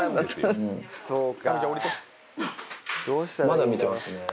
まだ見てますね。